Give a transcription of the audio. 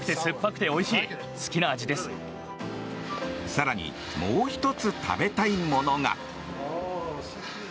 更にもう１つ食べたいものが。